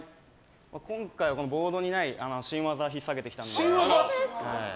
今回はボードにない新技を引っさげてきたので。